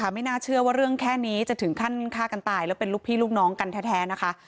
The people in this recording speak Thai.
ไม่น่าเชื่อว่าเรื่องแค่นี้จะถึงขั้นฆ่ากันตายแล้วเป็นลูกพี่ลูกน้องกันแท้นะคะ